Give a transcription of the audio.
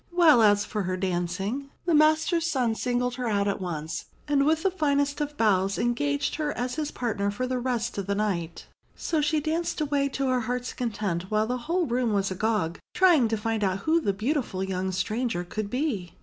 While as for her dancing ...! Her master's son singled her out at once, and with the finest of bows engaged her as his partner for the rest of the night. So she danced away to her heart's content, while the whole room was agog, trying to find out who the beautiful young stranger could be.